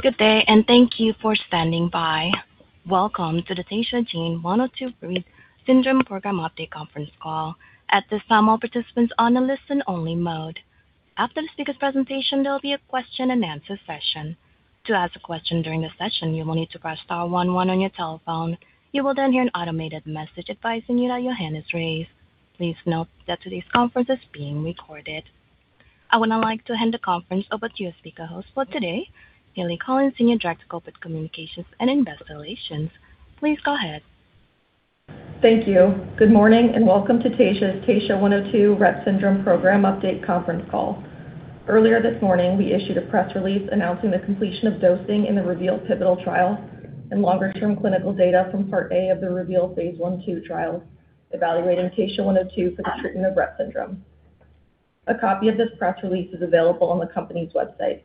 Good day. Thank you for standing by. Welcome to the Taysha Gene 102 Rett syndrome program update conference call. At this time, all participants on a listen-only mode. After the speakers' presentation, there'll be a question-and-answer session. To ask a question during the session, you will need to press star one one on your telephone. You will then hear an automated message advising you that your hand is raised. Please note that today's conference is being recorded. I would now like to hand the conference over to your speaker host for today, Hayleigh Collins, Senior Director, Corporate Communications and Investor Relations. Please go ahead. Thank you. Good morning. Welcome to Taysha's TSHA-102 Rett syndrome program update conference call. Earlier this morning, we issued a press release announcing the completion of dosing in the REVEAL pivotal trial. Longer-term clinical data from Part A of the REVEAL phase I/II trial, evaluating TSHA-102 for the treatment of Rett syndrome. A copy of this press release is available on the company's website.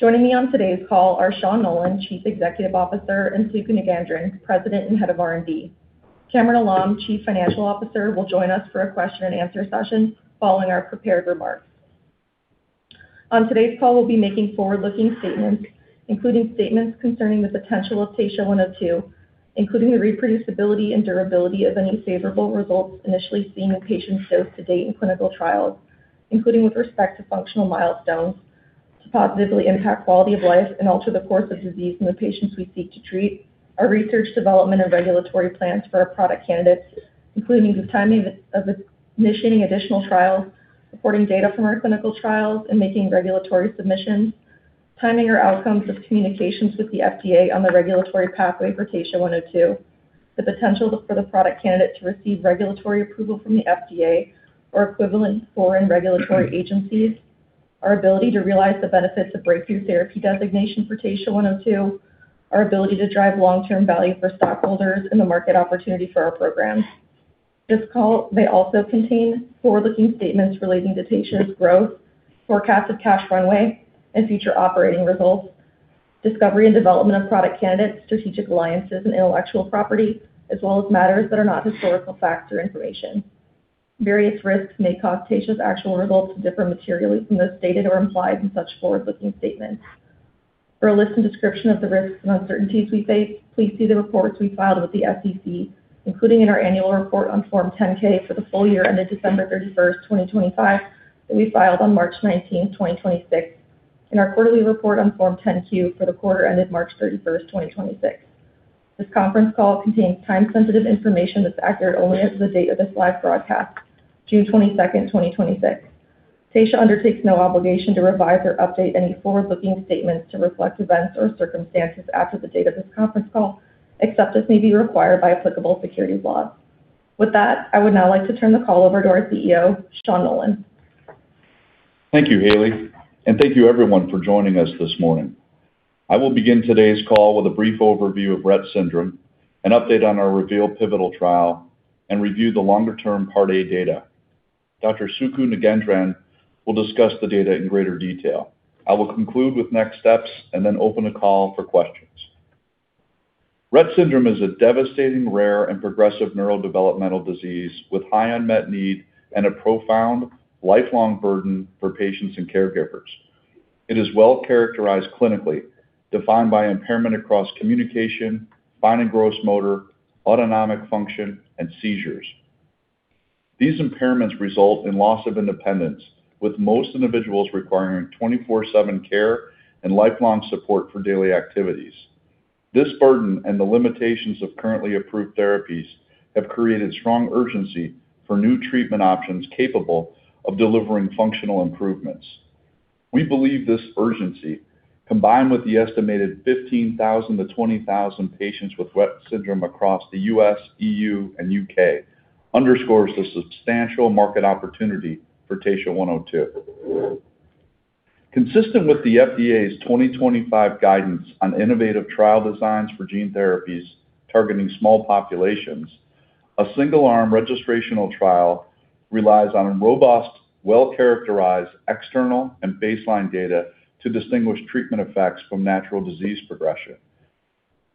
Joining me on today's call are Sean Nolan, Chief Executive Officer, and Suku Nagendran, President and Head of R&D. Kamran Alam, Chief Financial Officer, will join us for a question-and-answer session following our prepared remarks. On today's call we'll be making forward-looking statements, including statements concerning the potential of TSHA-102, including the reproducibility and durability of any favorable results initially seen in patients dosed to date in clinical trials, including with respect to functional milestones to positively impact quality of life and alter the course of disease in the patients we seek to treat. Our research development and regulatory plans for our product candidates, including the timing of initiating additional trials, reporting data from our clinical trials, and making regulatory submissions, timing our outcomes of communications with the FDA on the regulatory pathway for TSHA-102, the potential for the product candidate to receive regulatory approval from the FDA or equivalent foreign regulatory agencies, our ability to realize the benefits of breakthrough therapy designation for TSHA-102, our ability to drive long-term value for stockholders and the market opportunity for our programs. This call may also contain forward-looking statements relating to Taysha's growth, forecast of cash runway, future operating results, discovery and development of product candidates, strategic alliances and intellectual property, as well as matters that are not historical facts or information. Various risks may cause Taysha's actual results to differ materially from those stated or implied in such forward-looking statements. For a list and description of the risks and uncertainties we face, please see the reports we filed with the SEC, including in our annual report on Form 10-K for the full year ended December 31st, 2025, that we filed on March 19th, 2026, and our quarterly report on Form 10-Q for the quarter ended March 31st, 2026. This conference call contains time-sensitive information that's accurate only as of the date of this live broadcast, June 22nd, 2026. Taysha undertakes no obligation to revise or update any forward-looking statements to reflect events or circumstances after the date of this conference call, except as may be required by applicable securities laws. With that, I would now like to turn the call over to our CEO, Sean Nolan. Thank you, Hayleigh, thank you everyone for joining us this morning. I will begin today's call with a brief overview of Rett syndrome, an update on our REVEAL pivotal trial, and review the longer-term Part A data. Dr. Suku Nagendran will discuss the data in greater detail. I will conclude with next steps then open the call for questions. Rett syndrome is a devastating, rare, and progressive neurodevelopmental disease with high unmet need and a profound lifelong burden for patients and caregivers. It is well-characterized clinically, defined by impairment across communication, fine and gross motor, autonomic function, and seizures. These impairments result in loss of independence, with most individuals requiring 24/7 care and lifelong support for daily activities. This burden and the limitations of currently approved therapies have created strong urgency for new treatment options capable of delivering functional improvements. We believe this urgency, combined with the estimated 15,000-20,000 patients with Rett syndrome across the U.S., E.U., and U.K., underscores the substantial market opportunity for TSHA-102. Consistent with the FDA's 2025 guidance on innovative trial designs for gene therapies targeting small populations, a single-arm registrational trial relies on robust, well-characterized external and baseline data to distinguish treatment effects from natural disease progression.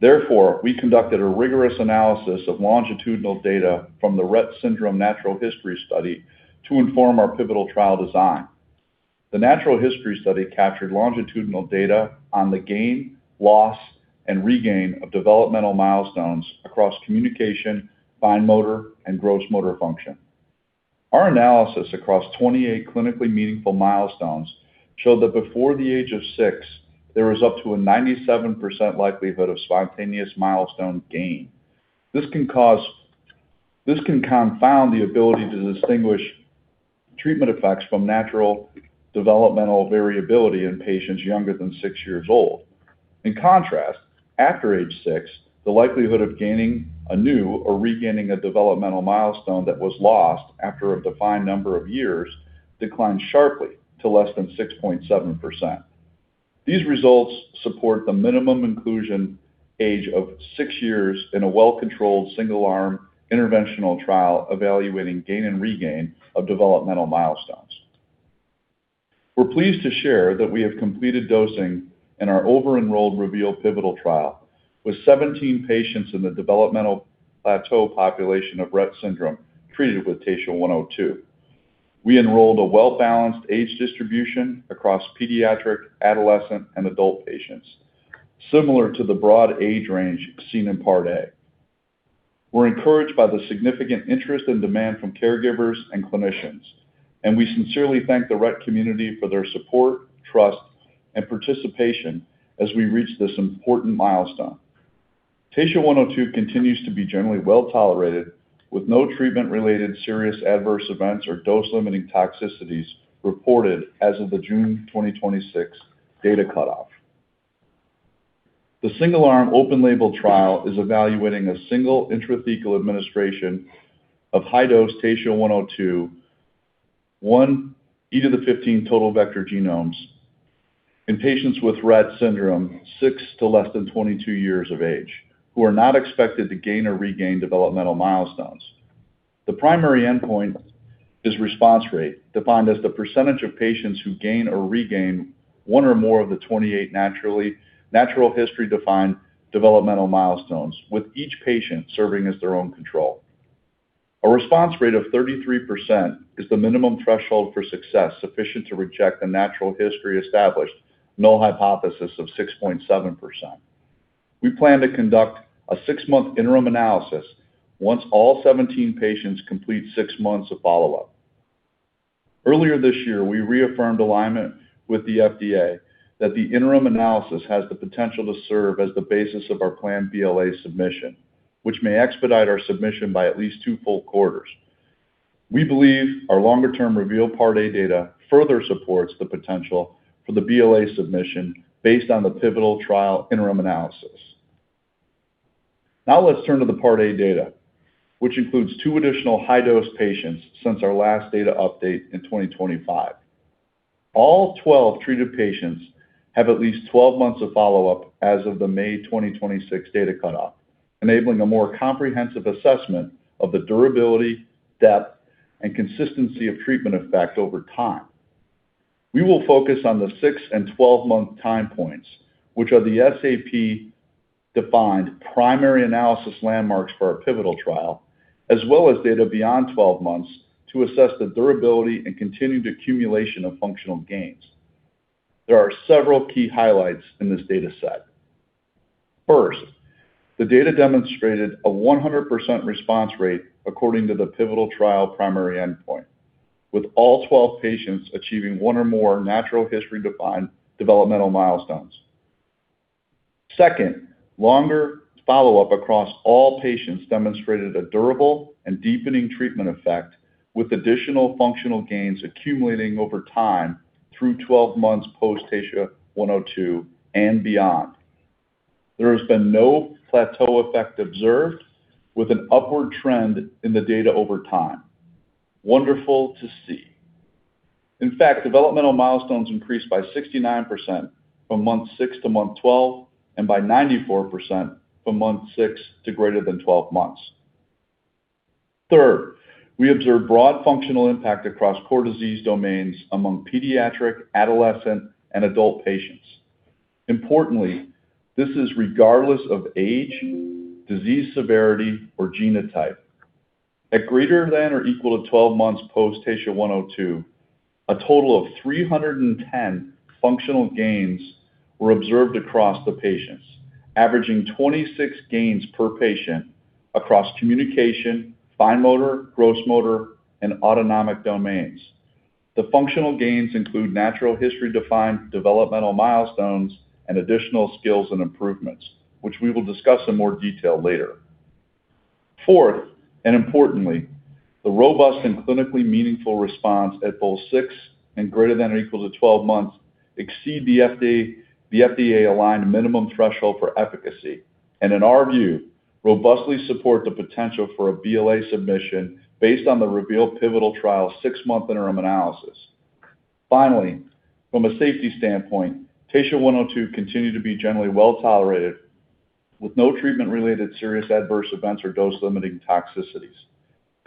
Therefore, we conducted a rigorous analysis of longitudinal data from the Rett Syndrome Natural History Study to inform our pivotal trial design. The natural history study captured longitudinal data on the gain, loss, and regain of developmental milestones across communication, fine motor, and gross motor function. Our analysis across 28 clinically meaningful milestones showed that before the age of six, there was up to a 97% likelihood of spontaneous milestone gain. This can confound the ability to distinguish treatment effects from natural developmental variability in patients younger than six years old. In contrast, after age six, the likelihood of gaining a new or regaining a developmental milestone that was lost after a defined number of years declined sharply to less than 6.7%. These results support the minimum inclusion age of six years in a well-controlled single-arm interventional trial evaluating gain and regain of developmental milestones. We're pleased to share that we have completed dosing in our over-enrolled REVEAL pivotal trial with 17 patients in the developmental plateau population of Rett syndrome treated with TSHA-102. We enrolled a well-balanced age distribution across pediatric, adolescent, and adult patients, similar to the broad age range seen in Part A. We're encouraged by the significant interest and demand from caregivers and clinicians. We sincerely thank the Rett community for their support, trust, and participation as we reach this important milestone. TSHA-102 continues to be generally well-tolerated with no treatment-related serious adverse events or dose-limiting toxicities reported as of the June 2026 data cutoff. The single-arm open-label trial is evaluating a single intrathecal administration of high dose TSHA-102, 1 E to the 15 total vector genomes in patients with Rett syndrome 6 to less than 22 years of age who are not expected to gain or regain developmental milestones. The primary endpoint is response rate, defined as the percentage of patients who gain or regain one or more of the 28 natural history-defined developmental milestones, with each patient serving as their own control. A response rate of 33% is the minimum threshold for success sufficient to reject the natural history established null hypothesis of 6.7%. We plan to conduct a six-month interim analysis once all 17 patients complete six months of follow-up. Earlier this year, we reaffirmed alignment with the FDA that the interim analysis has the potential to serve as the basis of our planned BLA submission, which may expedite our submission by at least two full quarters. We believe our longer-term REVEAL Part A data further supports the potential for the BLA submission based on the pivotal trial interim analysis. Let's turn to the Part A data, which includes two additional high dose patients since our last data update in 2025. All 12 treated patients have at least 12 months of follow-up as of the May 2026 data cutoff, enabling a more comprehensive assessment of the durability, depth, and consistency of treatment effect over time. We will focus on the six- and 12-month time points, which are the SAP-defined primary analysis landmarks for our pivotal trial, as well as data beyond 12 months to assess the durability and continued accumulation of functional gains. There are several key highlights in this data set. First, the data demonstrated a 100% response rate according to the pivotal trial primary endpoint, with all 12 patients achieving one or more natural history-defined developmental milestones. Second, longer follow-up across all patients demonstrated a durable and deepening treatment effect with additional functional gains accumulating over time through 12 months post-TSHA-102 and beyond. There has been no plateau effect observed with an upward trend in the data over time. Wonderful to see. In fact, developmental milestones increased by 69% from month 6 to month 12 and by 94% from month 6 to greater than 12 months. Third, we observed broad functional impact across core disease domains among pediatric, adolescent, and adult patients. Importantly, this is regardless of age, disease severity, or genotype. At greater than or equal to 12 months post-TSHA-102, a total of 310 functional gains were observed across the patients, averaging 26 gains per patient across communication, fine motor, gross motor, and autonomic domains. The functional gains include natural history-defined developmental milestones and additional skills and improvements, which we will discuss in more detail later. Fourth, importantly, the robust and clinically meaningful response at both six and greater than or equal to 12 months exceed the FDA-aligned minimum threshold for efficacy, and in our view, robustly support the potential for a BLA submission based on the REVEAL pivotal trial six-month interim analysis. Finally, from a safety standpoint, TSHA-102 continued to be generally well-tolerated with no treatment-related serious adverse events or dose-limiting toxicities.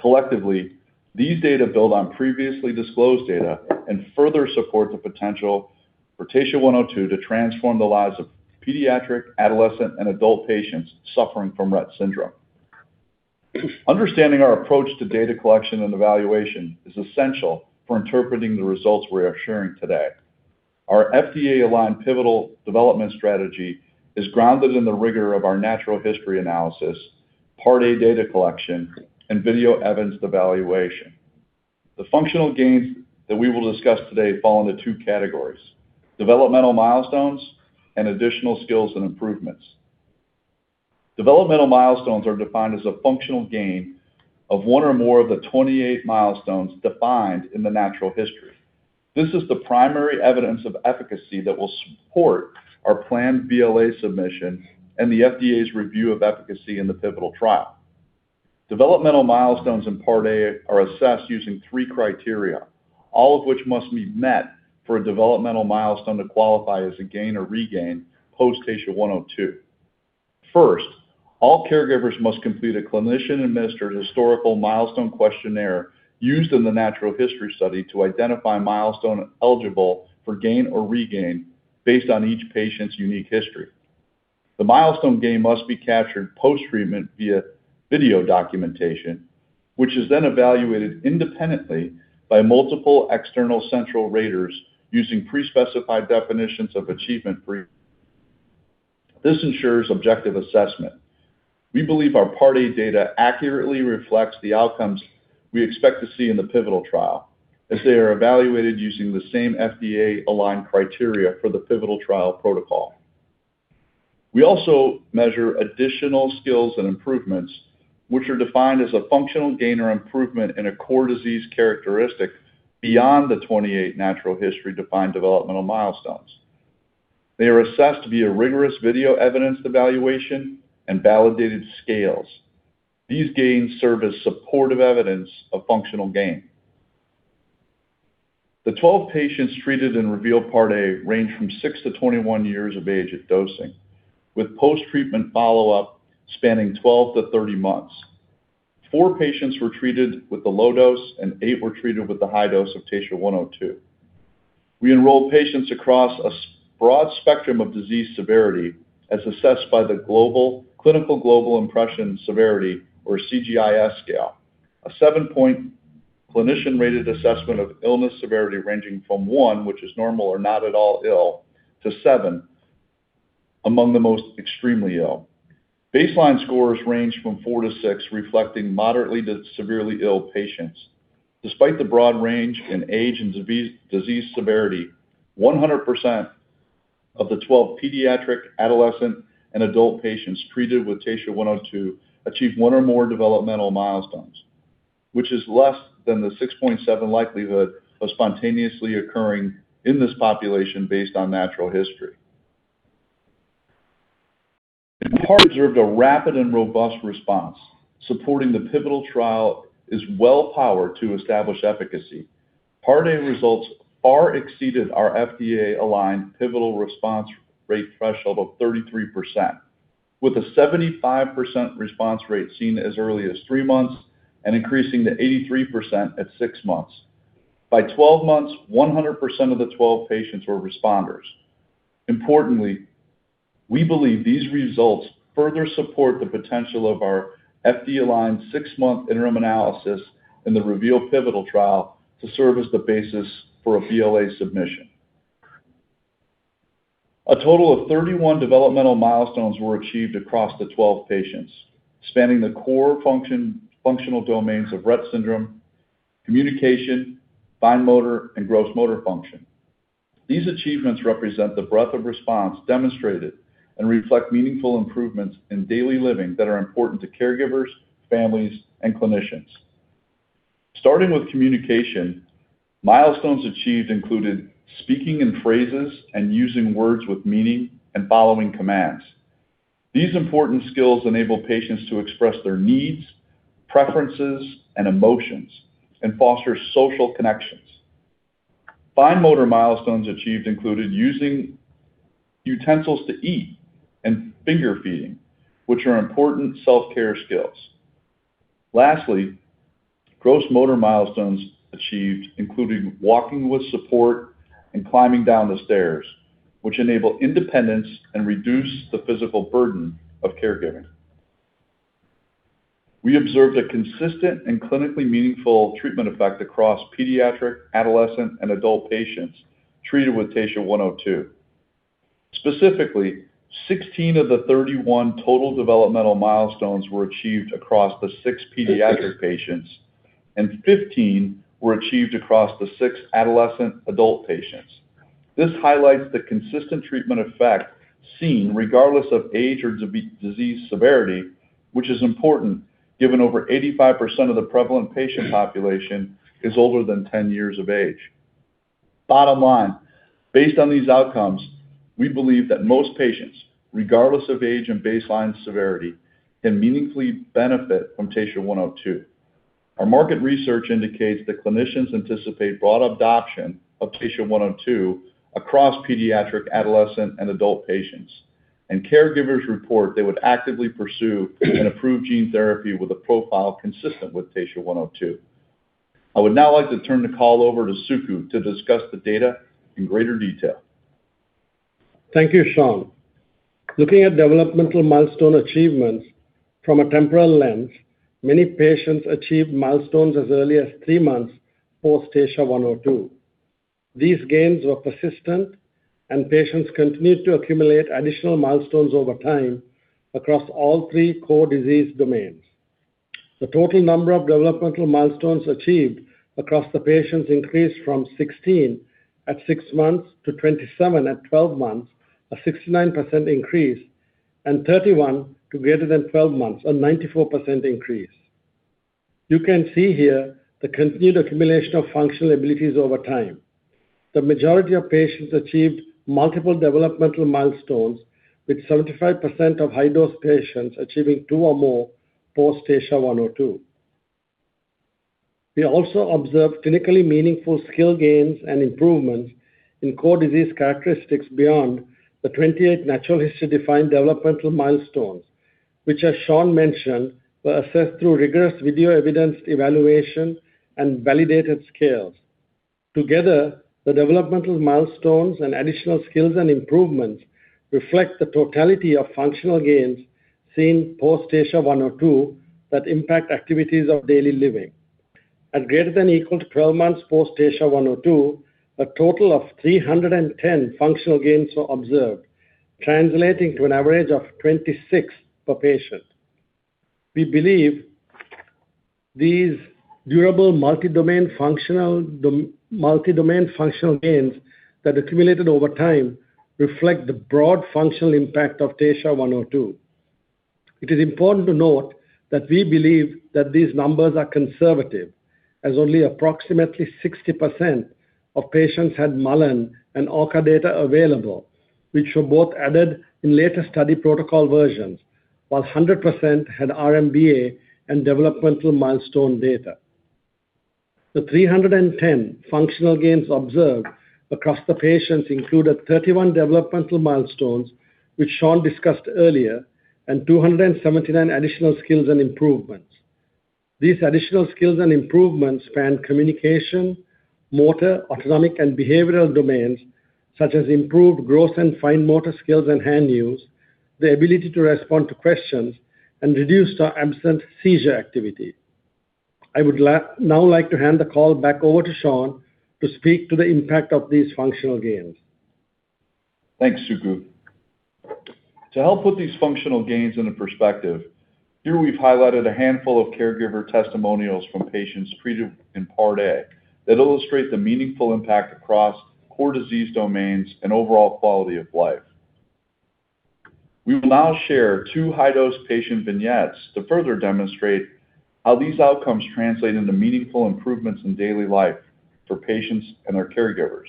Collectively, these data build on previously disclosed data and further support the potential for TSHA-102 to transform the lives of pediatric, adolescent, and adult patients suffering from Rett syndrome. Understanding our approach to data collection and evaluation is essential for interpreting the results we are sharing today. Our FDA-aligned pivotal development strategy is grounded in the rigor of our natural history analysis, Part A data collection, and video evidence evaluation. The functional gains that we will discuss today fall into two categories: developmental milestones and additional skills and improvements. Developmental milestones are defined as a functional gain of one or more of the 28 milestones defined in the natural history. This is the primary evidence of efficacy that will support our planned BLA submission and the FDA's review of efficacy in the pivotal trial. Developmental milestones in Part A are assessed using three criteria, all of which must be met for a developmental milestone to qualify as a gain or regain post-TSHA-102. First, all caregivers must complete a clinician-administered historical milestone questionnaire used in the natural history study to identify milestone eligible for gain or regain based on each patient's unique history. The milestone gain must be captured post treatment via video documentation, which is then evaluated independently by multiple external central raters using pre-specified definitions of achievement for. This ensures objective assessment. We believe our Part A data accurately reflects the outcomes we expect to see in the pivotal trial, as they are evaluated using the same FDA-aligned criteria for the pivotal trial protocol. We also measure additional skills and improvements, which are defined as a functional gain or improvement in a core disease characteristic beyond the 28 natural history-defined developmental milestones. They are assessed via rigorous video evidence evaluation and validated scales. These gains serve as supportive evidence of functional gain. The 12 patients treated in REVEAL Part A range from 6-21 years of age at dosing, with post-treatment follow-up spanning 12-30 months. Four patients were treated with the low dose, and eight were treated with the high dose of TSHA-102. We enrolled patients across a broad spectrum of disease severity, as assessed by the Clinical Global Impression Severity, or CGI-S scale, a seven-point clinician-rated assessment of illness severity ranging from 1, which is normal or not at all ill, to 7, among the most extremely ill. Baseline scores range from 4-6, reflecting moderately to severely ill patients. Despite the broad range in age and disease severity, 100% of the 12 pediatric, adolescent, and adult patients treated with TSHA-102 achieved one or more developmental milestones, which is less than the 6.7% likelihood of spontaneously occurring in this population based on natural history. Observed a rapid and robust response, supporting the pivotal trial is well-powered to establish efficacy. Part A results far exceeded our FDA-aligned pivotal response rate threshold of 33%, with a 75% response rate seen as early as three months and increasing to 83% at six months. By 12 months, 100% of the 12 patients were responders. Importantly, we believe these results further support the potential of our FDA-aligned six-month interim analysis in the REVEAL pivotal trial to serve as the basis for a BLA submission. A total of 31 developmental milestones were achieved across the 12 patients, spanning the core functional domains of Rett syndrome, communication, fine motor, and gross motor function. These achievements represent the breadth of response demonstrated and reflect meaningful improvements in daily living that are important to caregivers, families, and clinicians. Starting with communication, milestones achieved included speaking in phrases and using words with meaning and following commands. These important skills enable patients to express their needs, preferences, and emotions, and foster social connections. Fine motor milestones achieved included using utensils to eat and finger feeding, which are important self-care skills. Lastly, gross motor milestones achieved included walking with support and climbing down the stairs, which enable independence and reduce the physical burden of caregiving. We observed a consistent and clinically meaningful treatment effect across pediatric, adolescent, and adult patients treated with TSHA-102. Specifically, 16 of the 31 total developmental milestones were achieved across the six pediatric patients, and 15 were achieved across the six adolescent/adult patients. This highlights the consistent treatment effect seen regardless of age or disease severity, which is important given over 85% of the prevalent patient population is older than 10 years of age. Bottom line, based on these outcomes, we believe that most patients, regardless of age and baseline severity, can meaningfully benefit from TSHA-102. Our market research indicates that clinicians anticipate broad adoption of TSHA-102 across pediatric, adolescent, and adult patients, and caregivers report they would actively pursue an approved gene therapy with a profile consistent with TSHA-102. I would now like to turn the call over to Suku to discuss the data in greater detail. Thank you, Sean. Looking at developmental milestone achievements from a temporal lens, many patients achieved milestones as early as three months post-TSHA-102. These gains were persistent, and patients continued to accumulate additional milestones over time across all three core disease domains. The total number of developmental milestones achieved across the patients increased from 16 at six months to 27 at 12 months, a 69% increase, and 31 to greater than 12 months, a 94% increase. You can see here the continued accumulation of functional abilities over time. The majority of patients achieved multiple developmental milestones, with 75% of high dose patients achieving two or more post-TSHA-102. We also observed clinically meaningful skill gains and improvements in core disease characteristics beyond the 28 natural history-defined developmental milestones, which, as Sean mentioned, were assessed through rigorous video evidence evaluation and validated scales. Together, the developmental milestones and additional skills and improvements reflect the totality of functional gains seen post-TSHA-102 that impact activities of daily living. At greater than or equal to 12 months post-TSHA-102, a total of 310 functional gains were observed, translating to an average of 26 per patient. We believe these durable multi-domain functional gains that accumulated over time reflect the broad functional impact of TSHA-102. It is important to note that we believe that these numbers are conservative, as only approximately 60% of patients had Mullen and ORCA data available, which were both added in later study protocol versions, while 100% had R-MBA and developmental milestone data. The 310 functional gains observed across the patients included 31 developmental milestones, which Sean discussed earlier, and 279 additional skills and improvements. These additional skills and improvements span communication, motor, autonomic, and behavioral domains, such as improved gross and fine motor skills and hand use, the ability to respond to questions, and reduced or absent seizure activity. I would now like to hand the call back over to Sean to speak to the impact of these functional gains. Thanks, Suku. To help put these functional gains into perspective, here we've highlighted a handful of caregiver testimonials from patients treated in Part A that illustrate the meaningful impact across core disease domains and overall quality of life. We will now share two high dose patient vignettes to further demonstrate how these outcomes translate into meaningful improvements in daily life for patients and their caregivers.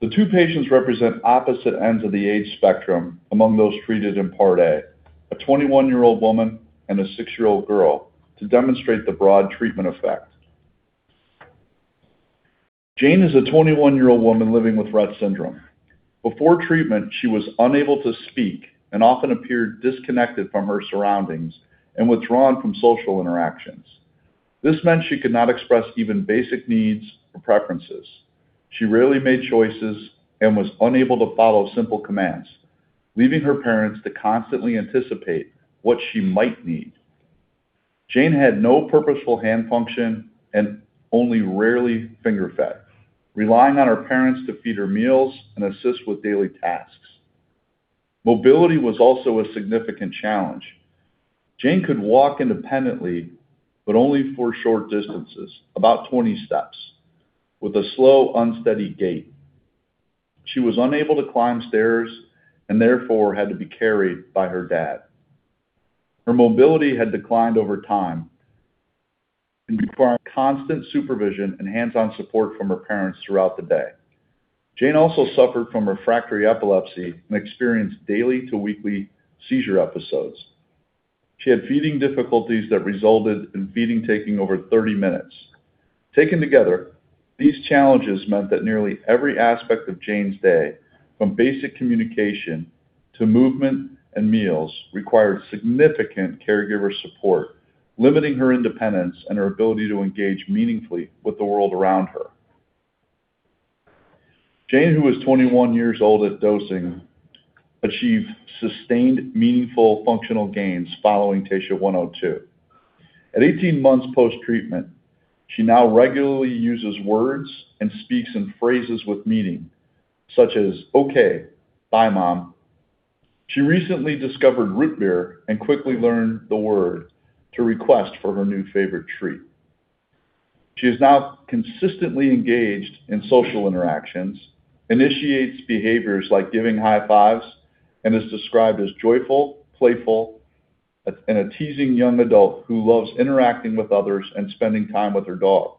The two patients represent opposite ends of the age spectrum among those treated in Part A, a 21-year-old woman and a six-year-old girl, to demonstrate the broad treatment effect. Jane is a 21-year-old woman living with Rett syndrome. Before treatment, she was unable to speak and often appeared disconnected from her surroundings and withdrawn from social interactions. This meant she could not express even basic needs or preferences. She rarely made choices and was unable to follow simple commands, leaving her parents to constantly anticipate what she might need. Jane had no purposeful hand function and only rarely finger fed, relying on her parents to feed her meals and assist with daily tasks. Mobility was also a significant challenge. Jane could walk independently, but only for short distances, about 20 steps, with a slow, unsteady gait. She was unable to climb stairs and therefore had to be carried by her dad. Her mobility had declined over time and required constant supervision and hands-on support from her parents throughout the day. Jane also suffered from refractory epilepsy and experienced daily to weekly seizure episodes. She had feeding difficulties that resulted in feeding taking over 30 minutes. Taken together, these challenges meant that nearly every aspect of Jane's day, from basic communication to movement and meals, required significant caregiver support, limiting her independence and her ability to engage meaningfully with the world around her. Jane, who was 21 years old at dosing, achieved sustained, meaningful functional gains following TSHA-102. At 18 months post-treatment, she now regularly uses words and speaks in phrases with meaning, such as "Okay. Bye, Mom." She recently discovered root beer and quickly learned the word to request for her new favorite treat. She is now consistently engaged in social interactions, initiates behaviors like giving high fives, and is described as joyful, playful, and a teasing young adult who loves interacting with others and spending time with her dog.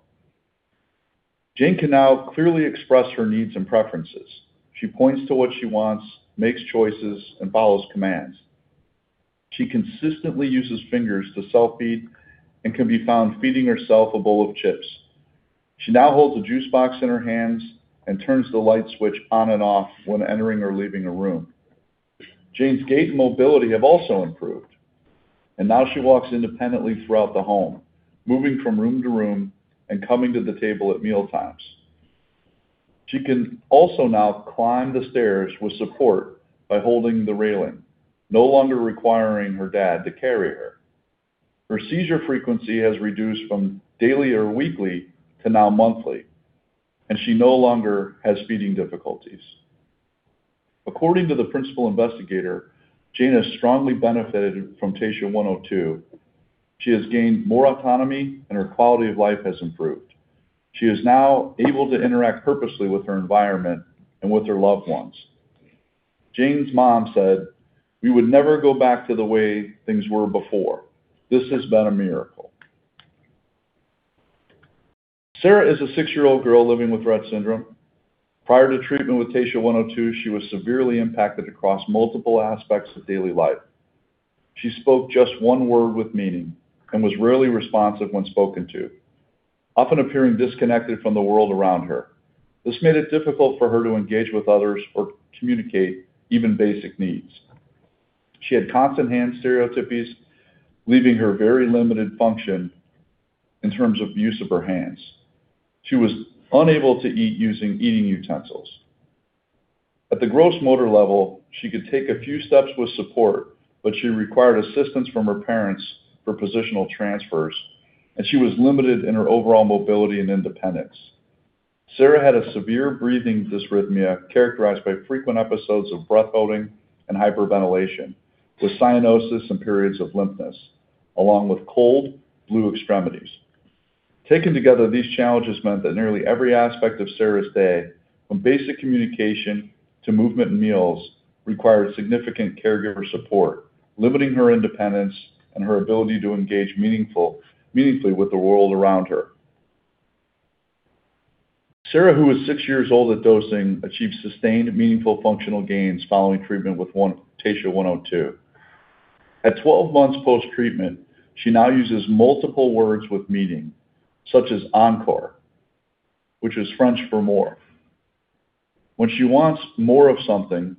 Jane can now clearly express her needs and preferences. She points to what she wants, makes choices, and follows commands. She consistently uses fingers to self-feed and can be found feeding herself a bowl of chips. She now holds a juice box in her hands and turns the light switch on and off when entering or leaving a room. Jane's gait and mobility have also improved. Now she walks independently throughout the home, moving from room to room and coming to the table at mealtimes. She can also now climb the stairs with support by holding the railing, no longer requiring her dad to carry her. Her seizure frequency has reduced from daily or weekly to now monthly. She no longer has feeding difficulties. According to the principal investigator, Jane has strongly benefited from TSHA-102. She has gained more autonomy, and her quality of life has improved. She is now able to interact purposely with her environment and with her loved ones. Jane's mom said, "We would never go back to the way things were before. This has been a miracle." Sarah is a six-year-old girl living with Rett syndrome. Prior to treatment with TSHA-102, she was severely impacted across multiple aspects of daily life. She spoke just one word with meaning and was rarely responsive when spoken to, often appearing disconnected from the world around her. This made it difficult for her to engage with others or communicate even basic needs. She had constant hand stereotypies, leaving her very limited function in terms of use of her hands. She was unable to eat using eating utensils. At the gross motor level, she could take a few steps with support. She required assistance from her parents for positional transfers, and she was limited in her overall mobility and independence. Sarah had a severe breathing dysrhythmia characterized by frequent episodes of breath-holding and hyperventilation, with cyanosis and periods of limpness, along with cold blue extremities. Taken together, these challenges meant that nearly every aspect of Sarah's day, from basic communication to movement and meals, required significant caregiver support, limiting her independence and her ability to engage meaningfully with the world around her. Sarah, who was six years old at dosing, achieved sustained, meaningful functional gains following treatment with TSHA-102. At 12 months post-treatment, she now uses multiple words with meaning, such as "encore," which is French for more. When she wants more of something,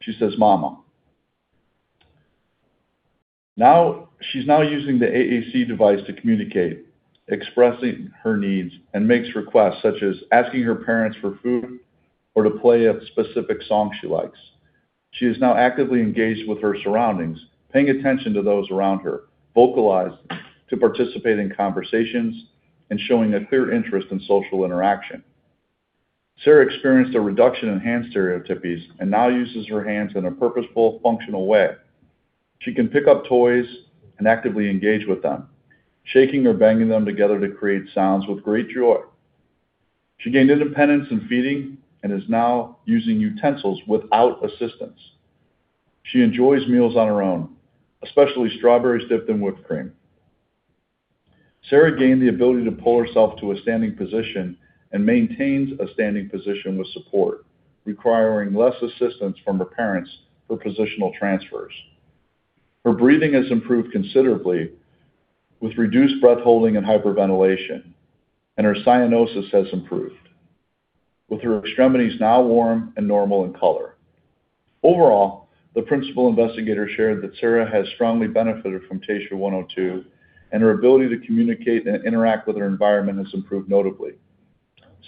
she says, "Mama." She's now using the AAC device to communicate, expressing her needs, and makes requests, such as asking her parents for food or to play a specific song she likes. She is now actively engaged with her surroundings, paying attention to those around her, vocalizing to participate in conversations, and showing a clear interest in social interaction. Sarah experienced a reduction in hand stereotypies and now uses her hands in a purposeful, functional way. She can pick up toys and actively engage with them, shaking or banging them together to create sounds with great joy. She gained independence in feeding and is now using utensils without assistance. She enjoys meals on her own, especially strawberries dipped in whipped cream. Sarah gained the ability to pull herself to a standing position and maintains a standing position with support, requiring less assistance from her parents for positional transfers. Her breathing has improved considerably with reduced breath-holding and hyperventilation, and her cyanosis has improved, with her extremities now warm and normal in color. Overall, the principal investigator shared that Sarah has strongly benefited from TSHA-102, and her ability to communicate and interact with her environment has improved notably.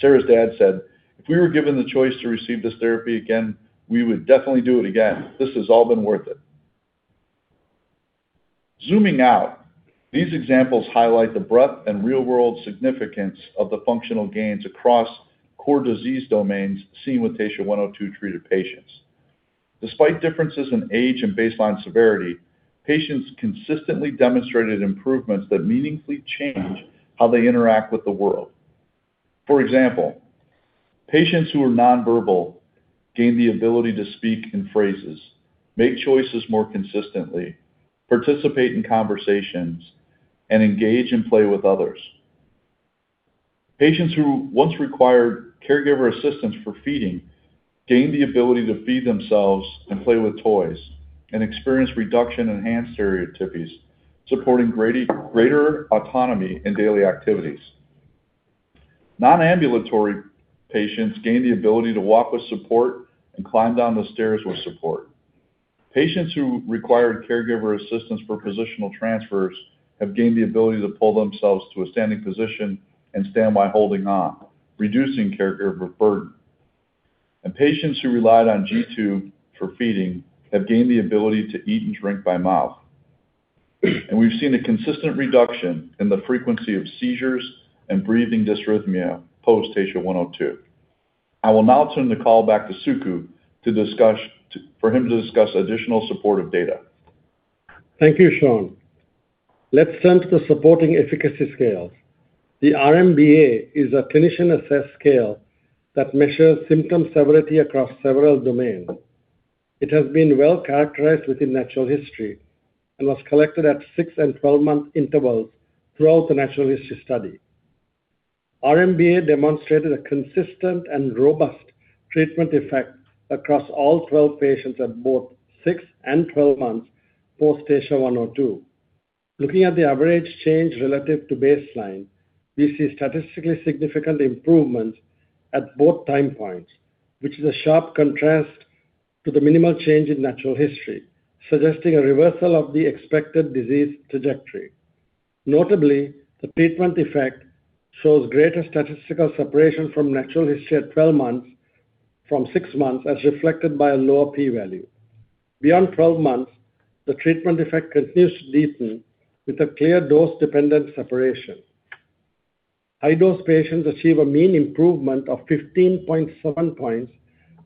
Sarah's dad said, "If we were given the choice to receive this therapy again, we would definitely do it again. This has all been worth it." Zooming out, these examples highlight the breadth and real-world significance of the functional gains across core disease domains seen with TSHA-102-treated patients. Despite differences in age and baseline severity, patients consistently demonstrated improvements that meaningfully change how they interact with the world. For example, patients who are non-verbal gain the ability to speak in phrases, make choices more consistently, participate in conversations, and engage in play with others. Patients who once required caregiver assistance for feeding gained the ability to feed themselves and play with toys and experience reduction in hand stereotypies, supporting greater autonomy in daily activities. Non-ambulatory patients gain the ability to walk with support and climb down the stairs with support. Patients who required caregiver assistance for positional transfers have gained the ability to pull themselves to a standing position and stand by holding on, reducing caregiver burden. Patients who relied on G-tube for feeding have gained the ability to eat and drink by mouth. We've seen a consistent reduction in the frequency of seizures and breathing dysrhythmia post-TSHA-102. I will now turn the call back to Suku for him to discuss additional supportive data. Thank you, Sean. Let's turn to the supporting efficacy scales. The R-MBA is a clinician-assessed scale that measures symptom severity across several domains. It has been well-characterized within natural history and was collected at six and 12-month intervals throughout the natural history study. R-MBA demonstrated a consistent and robust treatment effect across all 12 patients at both six and 12 months post-TSHA-102. Looking at the average change relative to baseline, we see statistically significant improvement at both time points, which is a sharp contrast to the minimal change in natural history, suggesting a reversal of the expected disease trajectory. Notably, the treatment effect shows greater statistical separation from natural history at 12 months from six months, as reflected by a lower p-value. Beyond 12 months, the treatment effect continues to deepen with a clear dose-dependent separation. High dose patients achieve a mean improvement of 15.7 points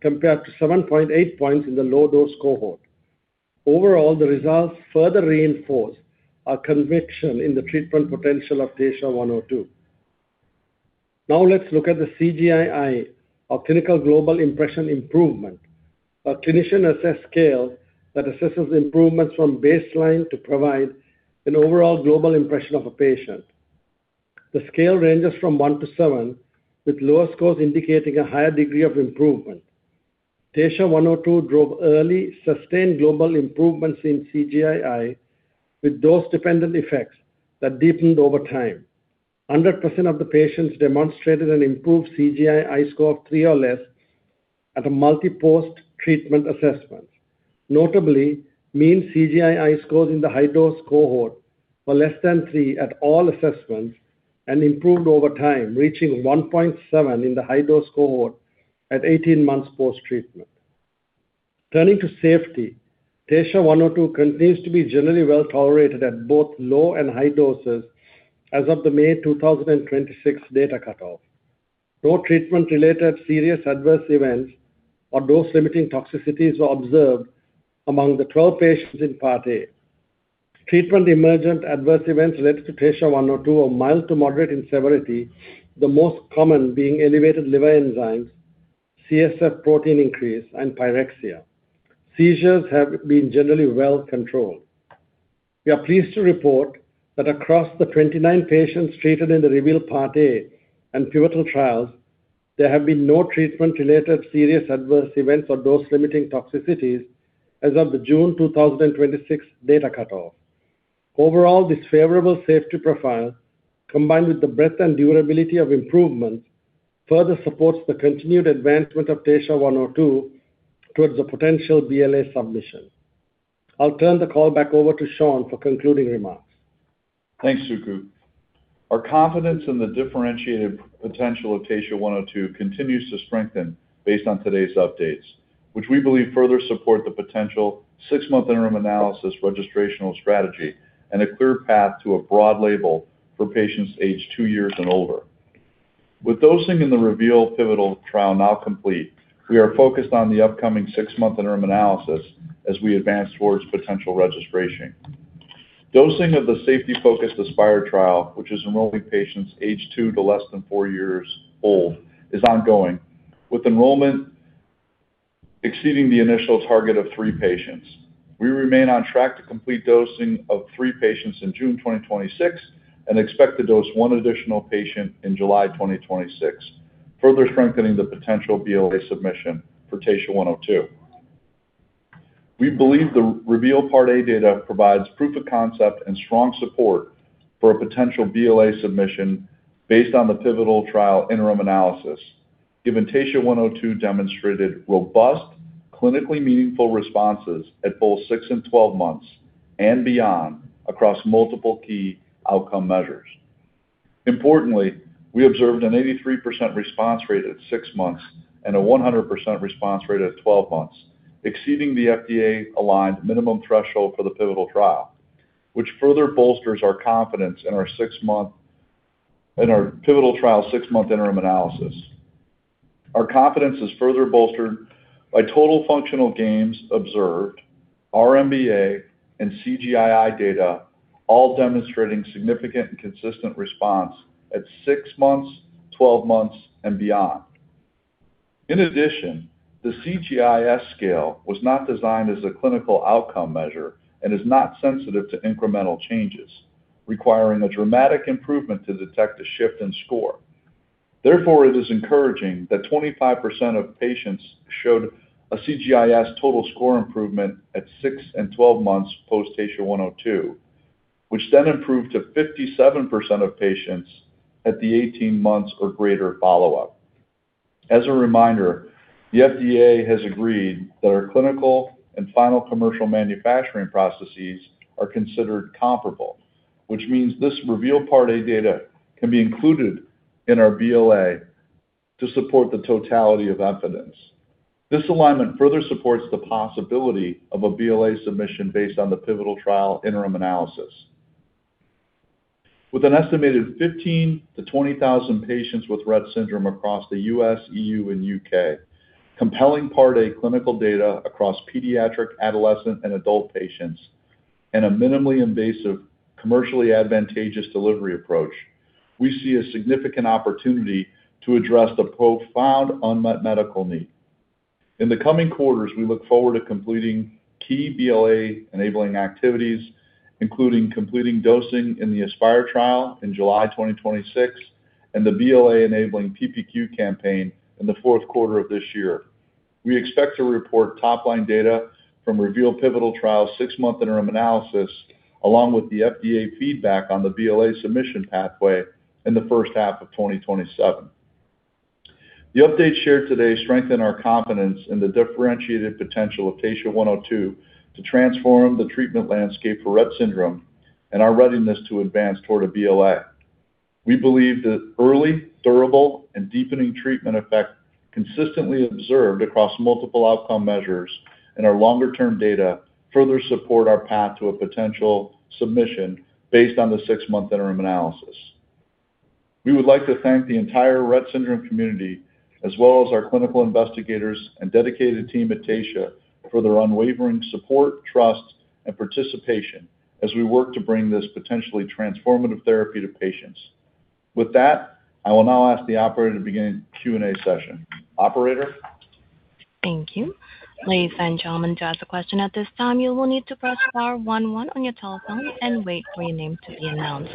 compared to 7.8 points in the low dose cohort. Overall, the results further reinforce our conviction in the treatment potential of TSHA-102. Now let's look at the CGI-I, or Clinical Global Impression Improvement, a clinician-assessed scale that assesses improvements from baseline to provide an overall global impression of a patient. The scale ranges from 1-7, with lower scores indicating a higher degree of improvement. TSHA-102 drove early sustained global improvements in CGI-I with dose-dependent effects that deepened over time. 100% of the patients demonstrated an improved CGI-I score of 3 or less at a multi-post-treatment assessment. Notably, mean CGI-I scores in the high dose cohort were less than 3 at all assessments and improved over time, reaching 1.7 in the high dose cohort at 18 months post-treatment. Turning to safety, TSHA-102 continues to be generally well-tolerated at both low and high doses as of the May 2026 data cutoff. No treatment-related serious adverse events or dose-limiting toxicities were observed among the 12 patients in Part A. Treatment-emergent adverse events related to TSHA-102 are mild to moderate in severity, the most common being elevated liver enzymes, CSF protein increase, and pyrexia. Seizures have been generally well-controlled. We are pleased to report that across the 29 patients treated in the REVEAL Part A and pivotal trials, there have been no treatment-related serious adverse events or dose-limiting toxicities as of the June 2026 data cutoff. Overall, this favorable safety profile, combined with the breadth and durability of improvement, further supports the continued advancement of TSHA-102 towards a potential BLA submission. I'll turn the call back over to Sean for concluding remarks. Thanks, Suku. Our confidence in the differentiated potential of TSHA-102 continues to strengthen based on today's updates, which we believe further support the potential six-month interim analysis registrational strategy and a clear path to a broad label for patients aged two years and older. With dosing in the REVEAL pivotal trial now complete, we are focused on the upcoming six-month interim analysis as we advance towards potential registration. Dosing of the safety-focused ASPIRE trial, which is enrolling patients aged two to less than four years old, is ongoing, with enrollment exceeding the initial target of three patients. We remain on track to complete dosing of three patients in June 2026 and expect to dose one additional patient in July 2026, further strengthening the potential BLA submission for TSHA-102. We believe the REVEAL Part A data provides proof of concept and strong support for a potential BLA submission based on the pivotal trial interim analysis, given TSHA-102 demonstrated robust, clinically meaningful responses at both six and 12 months and beyond across multiple key outcome measures. Importantly, we observed an 83% response rate at six months and a 100% response rate at 12 months, exceeding the FDA-aligned minimum threshold for the pivotal trial, which further bolsters our confidence in our pivotal trial six-month interim analysis. Our confidence is further bolstered by total functional gains observed, R-MBA and CGI-I data, all demonstrating significant and consistent response at six months, 12 months, and beyond. In addition, the CGI-S scale was not designed as a clinical outcome measure and is not sensitive to incremental changes, requiring a dramatic improvement to detect a shift in score. It is encouraging that 25% of patients showed a CGI-S total score improvement at six and 12 months post-TSHA-102, which then improved to 57% of patients at the 18 months or greater follow-up. As a reminder, the FDA has agreed that our clinical and final commercial manufacturing processes are considered comparable, which means this REVEAL Part A data can be included in our BLA to support the totality of evidence. This alignment further supports the possibility of a BLA submission based on the pivotal trial interim analysis. With an estimated 15,000-20,000 patients with Rett syndrome across the U.S., EU, and U.K., compelling Part A clinical data across pediatric, adolescent, and adult patients, and a minimally invasive, commercially advantageous delivery approach, we see a significant opportunity to address the profound unmet medical need. In the coming quarters, we look forward to completing key BLA enabling activities, including completing dosing in the ASPIRE trial in July 2026 and the BLA-enabling PPQ campaign in the fourth quarter of this year. We expect to report top-line data from REVEAL pivotal trial six-month interim analysis, along with the FDA feedback on the BLA submission pathway in the first half of 2027. The updates shared today strengthen our confidence in the differentiated potential of TSHA-102 to transform the treatment landscape for Rett syndrome and our readiness to advance toward a BLA. We believe that early, durable, and deepening treatment effect consistently observed across multiple outcome measures in our longer-term data further support our path to a potential submission based on the six-month interim analysis. We would like to thank the entire Rett syndrome community, as well as our clinical investigators and dedicated team at Taysha, for their unwavering support, trust, and participation as we work to bring this potentially transformative therapy to patients. With that, I will now ask the operator to begin Q&A session. Operator? Thank you. Ladies and gentlemen, to ask a question at this time, you will need to press star one one on your telephone and wait for your name to be announced.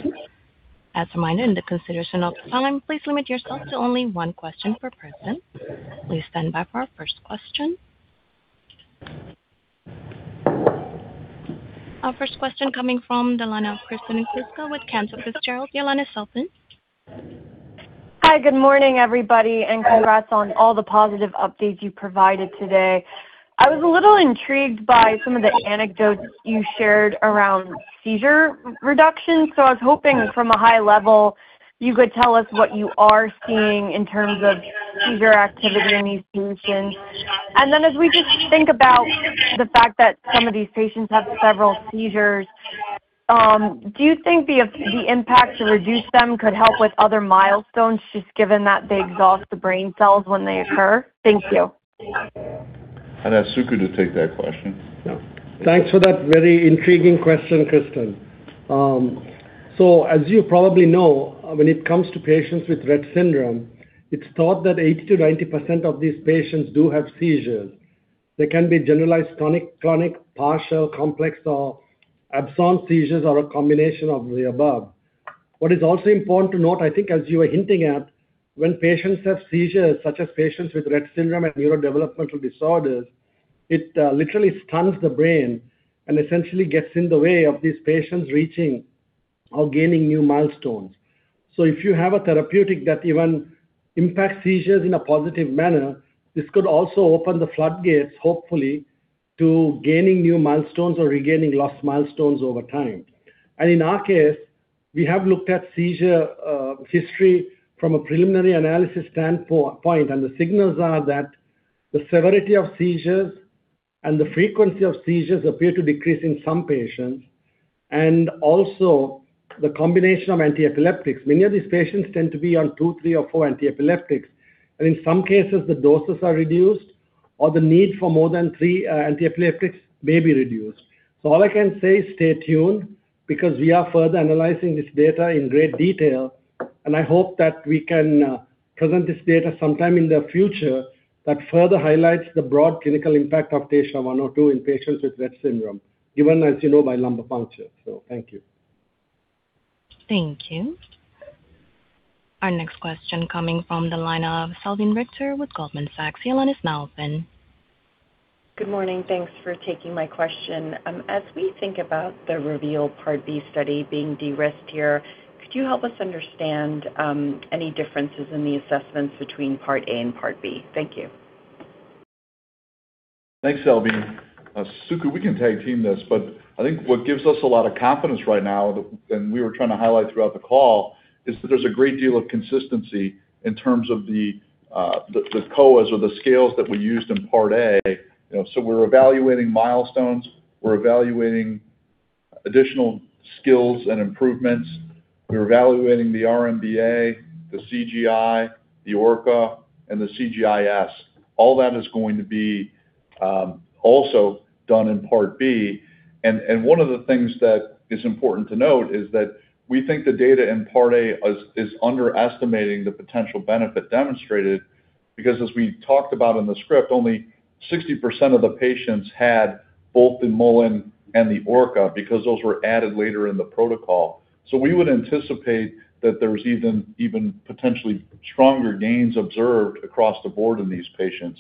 As a reminder, in the consideration of time, please limit yourself to only one question per person. Please stand by for our first question. Our first question coming from the line of Kristen Kluska with Cantor Fitzgerald. Your line is open. Hi. Good morning, everybody, and congrats on all the positive updates you provided today. I was a little intrigued by some of the anecdotes you shared around seizure reduction. I was hoping from a high level, you could tell us what you are seeing in terms of seizure activity in these patients. As we just think about the fact that some of these patients have several seizures, do you think the impact to reduce them could help with other milestones, just given that they exhaust the brain cells when they occur? Thank you. I'll ask Suku to take that question. Thanks for that very intriguing question, Kristen. As you probably know, when it comes to patients with Rett syndrome, it's thought that 80%-90% of these patients do have seizures. They can be generalized tonic-clonic, partial, complex, or absence seizures, or a combination of the above. What is also important to note, I think as you were hinting at, when patients have seizures, such as patients with Rett syndrome and neurodevelopmental disorders, it literally stuns the brain and essentially gets in the way of these patients reaching or gaining new milestones. If you have a therapeutic that even impacts seizures in a positive manner, this could also open the floodgates, hopefully, to gaining new milestones or regaining lost milestones over time. In our case, we have looked at seizure history from a preliminary analysis standpoint, and the signals are that the severity of seizures and the frequency of seizures appear to decrease in some patients, and also the combination of antiepileptics. Many of these patients tend to be on two, three or four antiepileptics, and in some cases, the doses are reduced or the need for more than three antiepileptics may be reduced. All I can say is stay tuned, because we are further analyzing this data in great detail, and I hope that we can present this data sometime in the future that further highlights the broad clinical impact of TSHA-102 in patients with Rett syndrome, even as you know, by lumbar puncture. Thank you. Thank you. Our next question coming from the line of Salveen Richter with Goldman Sachs. Your line is now open. Good morning. Thanks for taking my question. As we think about the REVEAL Part B study being de-risked here, could you help us understand any differences in the assessments between Part A and Part B? Thank you. Thanks, Salveen. Suku, we can tag team this. I think what gives us a lot of confidence right now, and we were trying to highlight throughout the call, is that there's a great deal of consistency in terms of the COAs or the scales that we used in Part A. We're evaluating milestones, we're evaluating additional skills and improvements. We're evaluating the R-MBA, the CGI, the ORCA, and the CGI-S. All that is going to be also done in Part B. One of the things that is important to note is that we think the data in Part A is underestimating the potential benefit demonstrated, because as we talked about in the script, only 60% of the patients had both the Mullen and the ORCA, because those were added later in the protocol. We would anticipate that there's even potentially stronger gains observed across the board in these patients.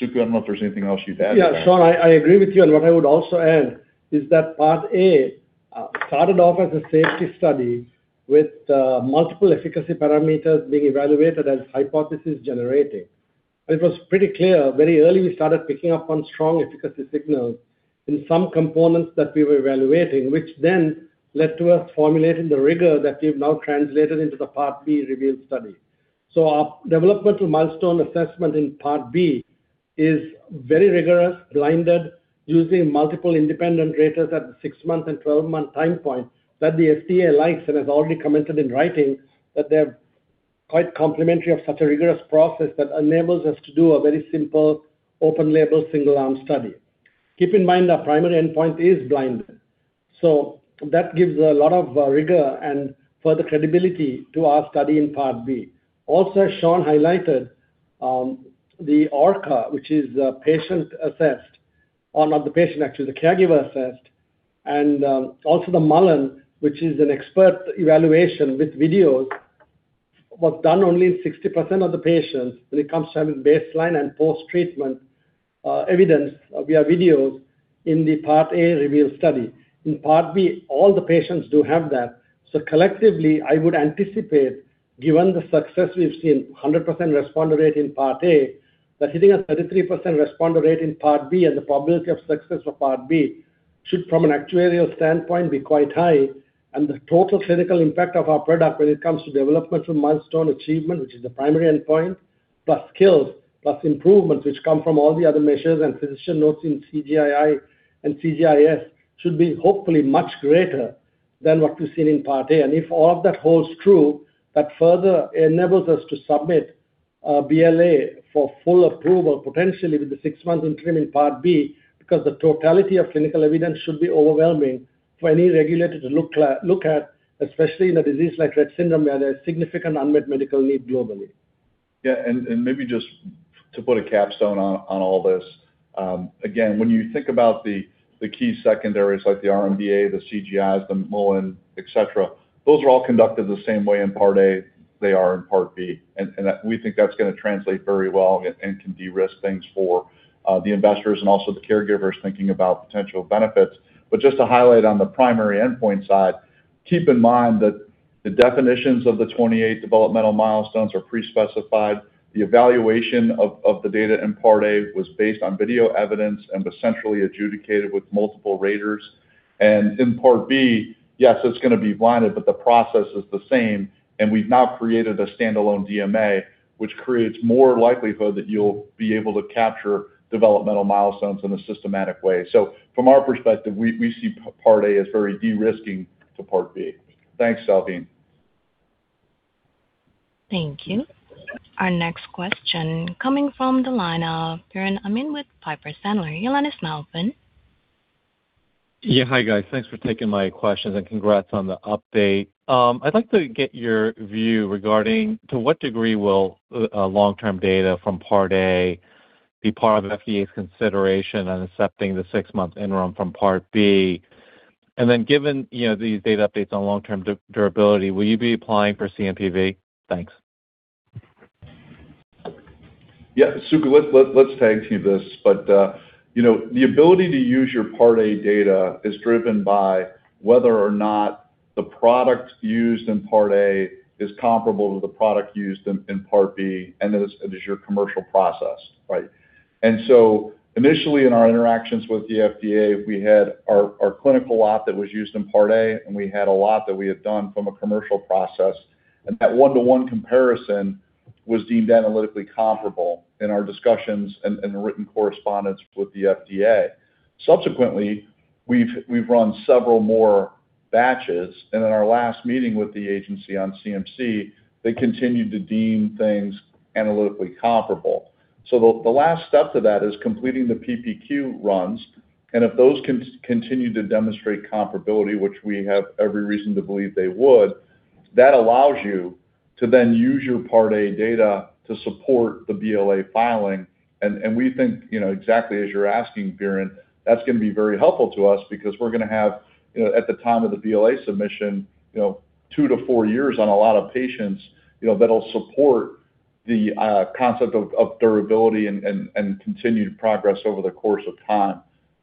Suku, I don't know if there's anything else you'd add to that. Sean, I agree with you, and what I would also add is that Part A started off as a safety study with multiple efficacy parameters being evaluated as hypothesis generating. It was pretty clear very early we started picking up on strong efficacy signals in some components that we were evaluating, which then led to us formulating the rigor that we've now translated into the Part B REVEAL study. Our developmental milestone assessment in Part B is very rigorous, blinded, using multiple independent raters at the six-month and 12-month time point that the FDA likes and has already commented in writing that they're quite complimentary of such a rigorous process that enables us to do a very simple open-label, single-arm study. Keep in mind, our primary endpoint is blinded, so that gives a lot of rigor and further credibility to our study in Part B. Also, Sean highlighted the ORCA, which is the patient assessed, or not the patient, actually, the caregiver assessed, and also the Mullen, which is an expert evaluation with videos, was done only in 60% of the patients when it comes to having baseline and post-treatment evidence via videos in the Part A REVEAL study. In Part B, all the patients do have that. Collectively, I would anticipate, given the success we've seen, 100% responder rate in Part A, that hitting a 33% responder rate in Part B and the probability of success for Part B should, from an actuarial standpoint, be quite high. The total clinical impact of our product when it comes to developmental milestone achievement, which is the primary endpoint, plus skills, plus improvements which come from all the other measures and physician notes in CGI-I and CGI-S, should be hopefully much greater than what we've seen in Part A. If all of that holds true, that further enables us to submit a BLA for full approval, potentially with the six-month increment in Part B, because the totality of clinical evidence should be overwhelming for any regulator to look at, especially in a disease like Rett syndrome, where there's significant unmet medical need globally. Yeah, maybe just to put a capstone on all this. Again, when you think about the key secondaries like the R-MBA, the CGI-S, the Mullen, et cetera, those are all conducted the same way in Part A They are in Part B. We think that's going to translate very well and can de-risk things for the investors and also the caregivers thinking about potential benefits. Just to highlight on the primary endpoint side, keep in mind that the definitions of the 28 developmental milestones are pre-specified. The evaluation of the data in Part A was based on video evidence and was centrally adjudicated with multiple raters. In Part B, yes, it's going to be blinded, but the process is the same, and we've now created a standalone DMA, which creates more likelihood that you'll be able to capture developmental milestones in a systematic way. From our perspective, we see Part A as very de-risking to Part B. Thanks, Salveen. Thank you. Our next question coming from the line of Biren Amin with Piper Sandler. Your line is now open. Hi, guys. Thanks for taking my questions and congrats on the update. I'd like to get your view regarding to what degree will long-term data from Part A be part of FDA's consideration on accepting the six-month interim from Part B? Given these data updates on long-term durability, will you be applying for CNPV? Thanks. Suku, let's tag team this. The ability to use your Part A data is driven by whether or not the product used in Part A is comparable to the product used in Part B and is your commercial process, right? Initially in our interactions with the FDA, we had our clinical lot that was used in Part A, and we had a lot that we had done from a commercial process. That one-to-one comparison was deemed analytically comparable in our discussions and written correspondence with the FDA. Subsequently, we've run several more batches, and in our last meeting with the agency on CMC, they continued to deem things analytically comparable. The last step to that is completing the PPQ runs, if those continue to demonstrate comparability, which we have every reason to believe they would, that allows you to then use your Part A data to support the BLA filing. We think exactly as you're asking, Biren, that's going to be very helpful to us because we're going to have at the time of the BLA submission, two to four years on a lot of patients, that'll support the concept of durability and continued progress over the course of time.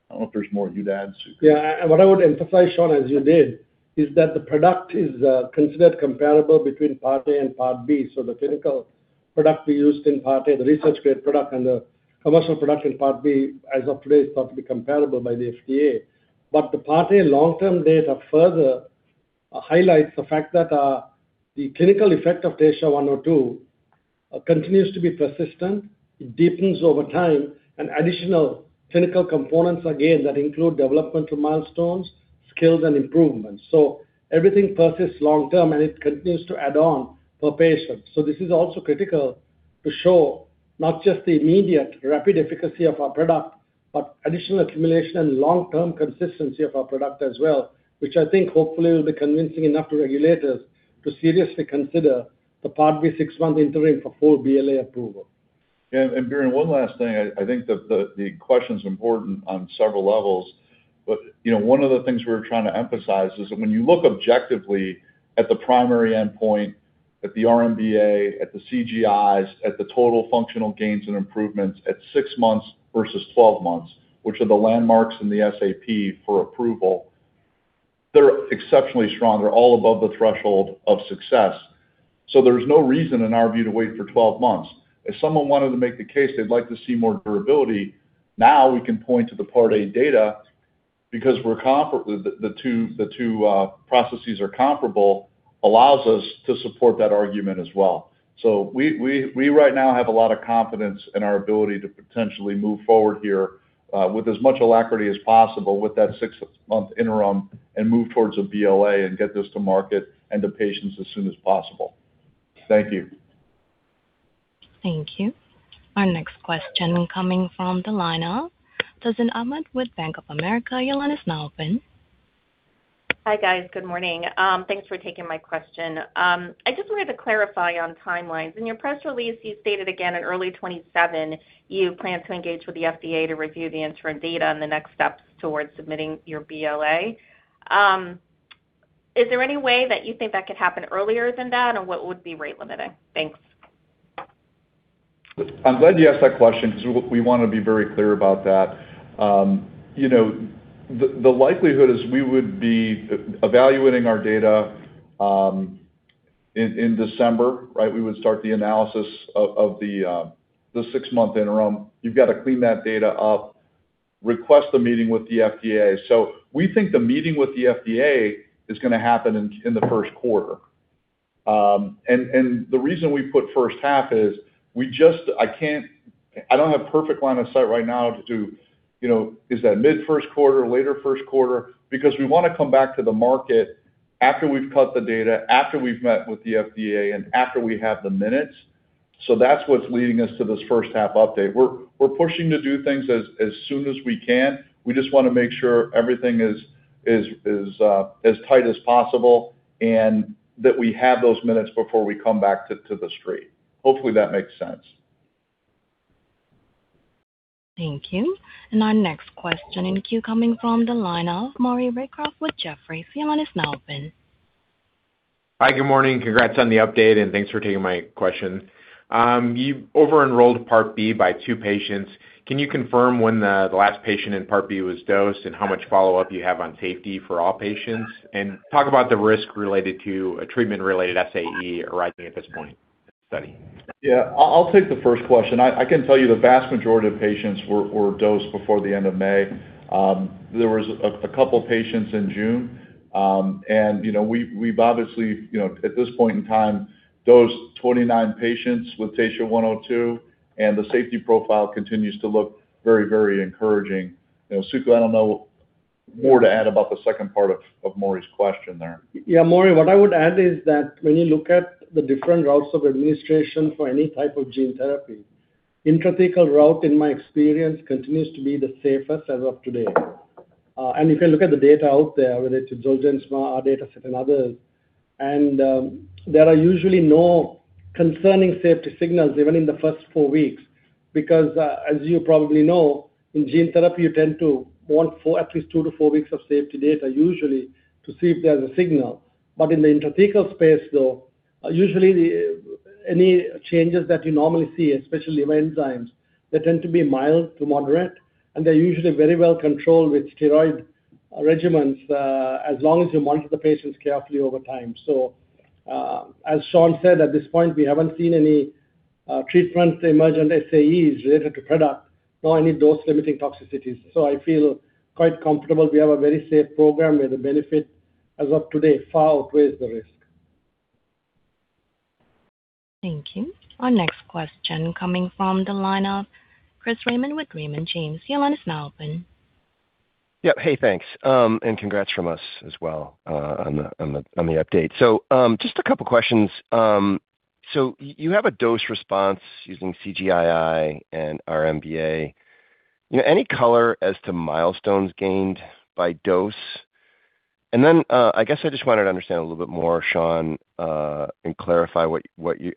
I don't know if there's more you'd add, Suku. Yeah. What I would emphasize, Sean, as you did, is that the product is considered comparable between Part A and Part B. The clinical product we used in Part A, the research-grade product, and the commercial product in Part B as of today is thought to be comparable by the FDA. The Part A long-term data further highlights the fact that the clinical effect of TSHA-102 continues to be persistent. It deepens over time and additional clinical components, again, that include developmental milestones, skills, and improvements. Everything persists long-term, and it continues to add on for patients. This is also critical to show not just the immediate rapid efficacy of our product, but additional accumulation and long-term consistency of our product as well, which I think hopefully will be convincing enough to regulators to seriously consider the Part B six-month interim for full BLA approval. Yeah. Biren, one last thing. I think that the question's important on several levels, but one of the things we're trying to emphasize is that when you look objectively at the primary endpoint, at the R-MBA, at the CGI-S, at the total functional gains and improvements at six months versus 12 months, which are the landmarks in the SAP for approval, they're exceptionally strong. They're all above the threshold of success. There's no reason in our view to wait for 12 months. If someone wanted to make the case they'd like to see more durability, now we can point to the Part A data because the two processes are comparable allows us to support that argument as well. We right now have a lot of confidence in our ability to potentially move forward here, with as much alacrity as possible with that six-month interim and move towards a BLA and get this to market and to patients as soon as possible. Thank you. Thank you. Our next question coming from the line of Tazeen Ahmad with Bank of America. Your line is now open. Hi, guys. Good morning. Thanks for taking my question. I just wanted to clarify on timelines. In your press release, you stated again in early 2027 you plan to engage with the FDA to review the interim data and the next steps towards submitting your BLA. Is there any way that you think that could happen earlier than that, and what would be rate limiting? Thanks. I'm glad you asked that question because we want to be very clear about that. The likelihood is we would be evaluating our data in December, right? We would start the analysis of the six-month interim. You've got to clean that data up, request a meeting with the FDA. We think the meeting with the FDA is going to happen in the first quarter. The reason we put first half is I don't have perfect line of sight right now to do, is that mid-first quarter, later first quarter? We want to come back to the market after we've cut the data, after we've met with the FDA, and after we have the minutes. That's what's leading us to this first-half update. We're pushing to do things as soon as we can. We just want to make sure everything is as tight as possible and that we have those minutes before we come back to the street. Hopefully that makes sense. Thank you. Our next question in queue coming from the line of Maury Raycroft with Jefferies. Your line is now open. Hi, good morning. Congrats on the update and thanks for taking my question. You over-enrolled Part B by two patients. Can you confirm when the last patient in Part B was dosed and how much follow-up you have on safety for all patients? Talk about the risk related to a treatment-related SAE arising at this point in the study. I'll take the first question. I can tell you the vast majority of patients were dosed before the end of May. There was a couple patients in June. We've obviously, at this point in time, dosed 29 patients with TSHA-102, and the safety profile continues to look very encouraging. Suku, I don't know more to add about the second part of Maury's question there. Maury, what I would add is that when you look at the different routes of administration for any type of gene therapy, intrathecal route, in my experience, continues to be the safest as of today. If you look at the data out there, whether it's ZOLGENSMA, our data set and others, there are usually no concerning safety signals even in the first four weeks. Because, as you probably know, in gene therapy you tend to want at least two to four weeks of safety data usually to see if there's a signal. In the intrathecal space, though, usually any changes that you normally see, especially with enzymes, they tend to be mild to moderate, and they're usually very well-controlled with steroid regimens, as long as you monitor the patients carefully over time. As Sean said, at this point we haven't seen any treatments emerge and SAEs related to product, nor any dose-limiting toxicities. I feel quite comfortable we have a very safe program where the benefit as of today far outweighs the risk. Thank you. Our next question coming from the line of Chris Raymond with Raymond James. Your line is now open. Yep. Hey, thanks, and congrats from us as well on the update. Just a couple of questions. You have a dose response using CGI and R-MBA. Any color as to milestones gained by dose? And then, I guess I just wanted to understand a little bit more, Sean, and clarify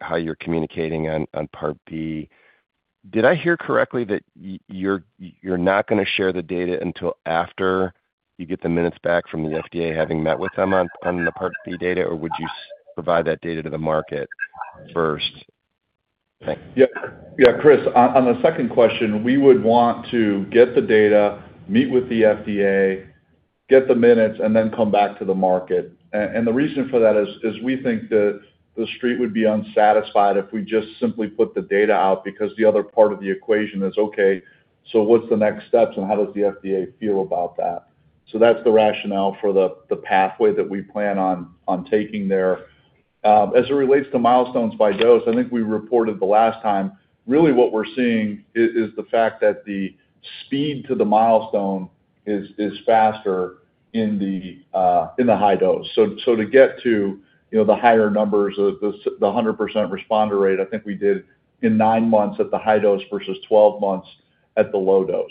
how you're communicating on Part B. Did I hear correctly that you're not going to share the data until after you get the minutes back from the FDA having met with them on the Part B data or would you provide that data to the market first? Thanks. Yeah. Chris, on the second question, we would want to get the data, meet with the FDA, get the minutes, and then come back to the market. The reason for that is we think that the Street would be unsatisfied if we just simply put the data out because the other part of the equation is, okay, so what's the next steps and how does the FDA feel about that? That's the rationale for the pathway that we plan on taking there. As it relates to milestones by dose, I think we reported the last time, really what we're seeing is the fact that the speed to the milestone is faster in the high dose. To get to the higher numbers of the 100% responder rate, I think we did in nine months at the high dose versus 12 months at the low dose.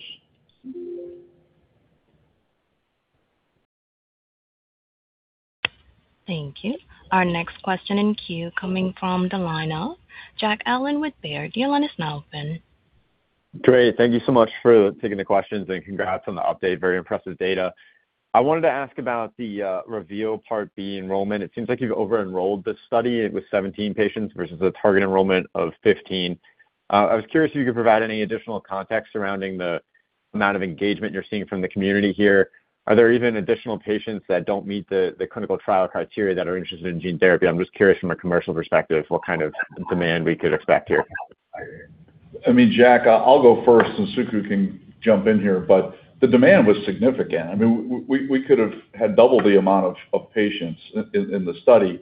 Thank you. Our next question in queue coming from the line of Jack Allen with Baird. Your line is now open. Great. Thank you so much for taking the questions and congrats on the update. Very impressive data. I wanted to ask about the REVEAL Part B enrollment. It seems like you've over-enrolled the study with 17 patients versus the target enrollment of 15. I was curious if you could provide any additional context surrounding the amount of engagement you're seeing from the community here. Are there even additional patients that don't meet the clinical trial criteria that are interested in gene therapy? I'm just curious from a commercial perspective what kind of demand we could expect here. Jack, I'll go first and Suku can jump in here, but the demand was significant. We could have had double the amount of patients in the study.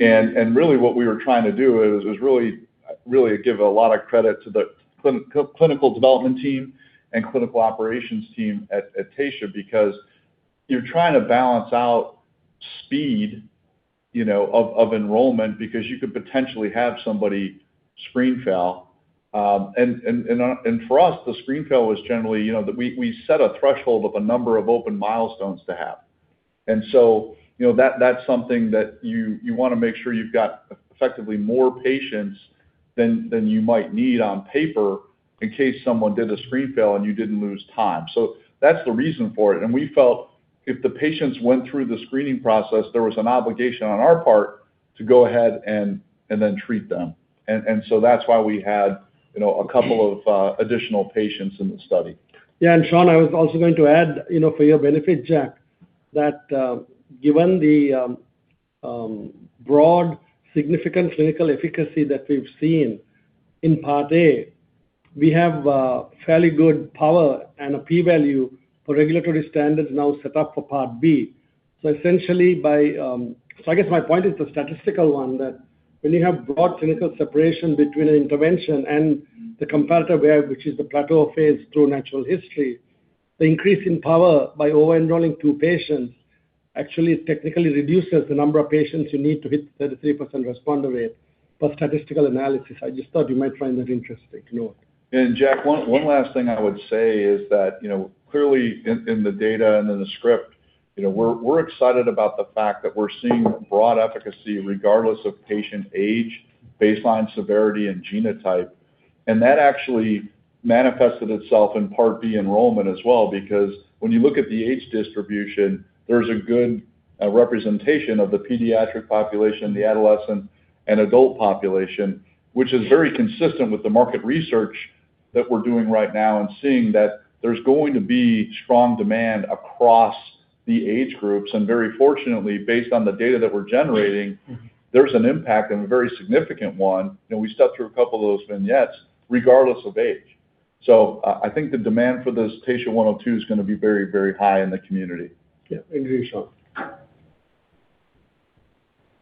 Really what we were trying to do is really give a lot of credit to the clinical development team and clinical operations team at Taysha because you're trying to balance out speed of enrollment because you could potentially have somebody screen fail. For us, the screen fail was generally that we set a threshold of a number of open milestones to have. That's something that you want to make sure you've got effectively more patients than you might need on paper in case someone did a screen fail and you didn't lose time. That's the reason for it. We felt if the patients went through the screening process, there was an obligation on our part to go ahead and then treat them. That's why we had a couple of additional patients in the study. Yeah. Sean, I was also going to add for your benefit, Jack, that given the broad significant clinical efficacy that we've seen in Part A, we have fairly good power and a p-value for regulatory standards now set up for Part B. I guess my point is the statistical one, that when you have broad clinical separation between intervention and the comparator where which is the plateau phase II natural history, the increase in power by over-enrolling two patients actually technically reduces the number of patients you need to hit 33% responder rate for statistical analysis. I just thought you might find that interesting to know. Jack, one last thing I would say is that clearly in the data and in the script. We're excited about the fact that we're seeing broad efficacy regardless of patient age, baseline severity, and genotype. That actually manifested itself in Part B enrollment as well, because when you look at the age distribution, there's a good representation of the pediatric population, the adolescent and adult population, which is very consistent with the market research that we're doing right now and seeing that there's going to be strong demand across the age groups. Very fortunately, based on the data that we're generating, there's an impact and a very significant one, and we stepped through a couple of those vignettes regardless of age. I think the demand for this TSHA-102 is going to be very, very high in the community. Yeah. Agree, Sean.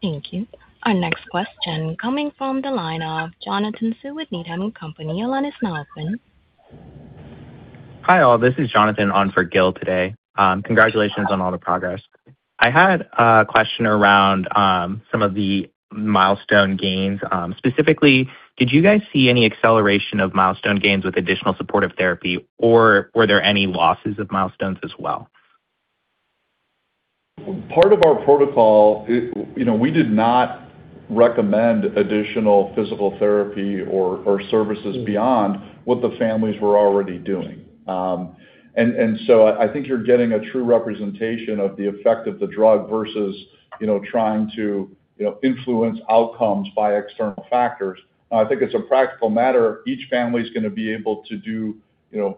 Thank you. Our next question coming from the line of Jonathan [Hsu] with Needham & Company. Operator, line is now open. Hi, all. This is Jonathan on for Gil today. Congratulations on all the progress. I had a question around some of the milestone gains. Specifically, did you guys see any acceleration of milestone gains with additional supportive therapy, or were there any losses of milestones as well? Part of our protocol, we did not recommend additional physical therapy or services beyond what the families were already doing. I think you're getting a true representation of the effect of the drug versus trying to influence outcomes by external factors. I think it's a practical matter. Each family's going to be able to do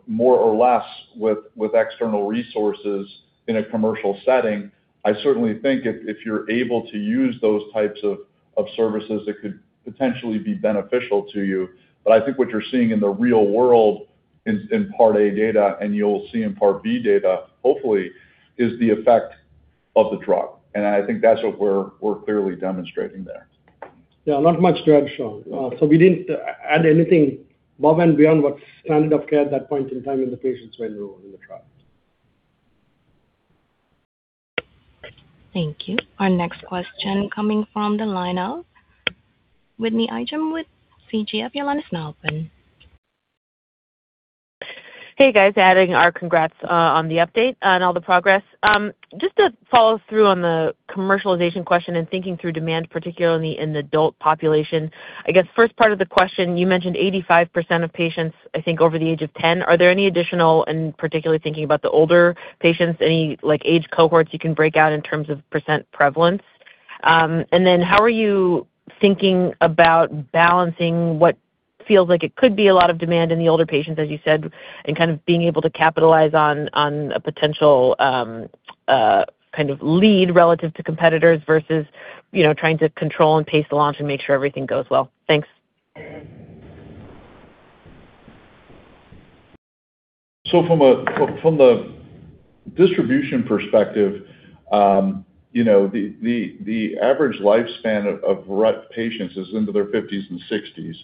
more or less with external resources in a commercial setting. I certainly think if you're able to use those types of services, it could potentially be beneficial to you. I think what you're seeing in the real world in Part A data, and you'll see in Part B data, hopefully, is the effect of the drug. I think that's what we're clearly demonstrating there. Yeah, not much to add, Sean. We didn't add anything above and beyond what standard of care at that point in time in the patients were enrolled in the trial. Thank you. Our next question coming from the line of Whitney Ijem with CG. Your line is now open. Hey, guys. Adding our congrats on the update and all the progress. Just to follow through on the commercialization question and thinking through demand, particularly in the adult population. I guess, first part of the question, you mentioned 85% of patients, I think, over the age of 10. Are there any additional, and particularly thinking about the older patients, any age cohorts you can break out in terms of percent prevalence? How are you thinking about balancing what feels like it could be a lot of demand in the older patients, as you said, and kind of being able to capitalize on a potential kind of lead relative to competitors versus trying to control and pace the launch and make sure everything goes well? Thanks. From the distribution perspective, the average lifespan of Rett patients is into their 50s and 60s.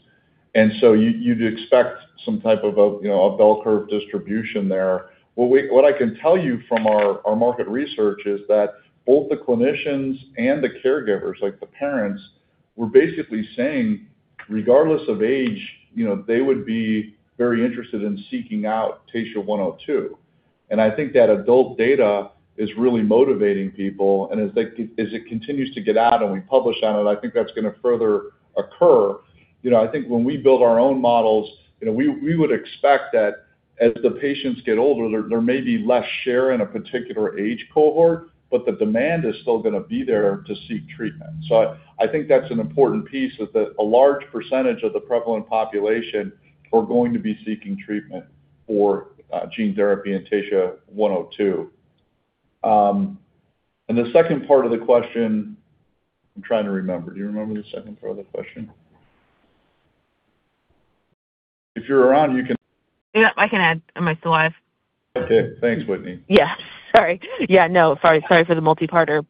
You'd expect some type of a bell curve distribution there. What I can tell you from our market research is that both the clinicians and the caregivers, like the parents, were basically saying, regardless of age, they would be very interested in seeking out TSHA-102. I think that adult data is really motivating people, and as it continues to get out and we publish on it, I think that's going to further occur. I think when we build our own models, we would expect that as the patients get older, there may be less share in a particular age cohort, but the demand is still going to be there to seek treatment. I think that's an important piece, is that a large percentage of the prevalent population are going to be seeking treatment for gene therapy and TSHA-102. The second part of the question, I'm trying to remember. Do you remember the second part of the question? If you're around, you can— Yeah, I can add. Am I still live? Okay. Thanks, Whitney. Sorry. Yeah, no, sorry for the multi-parter.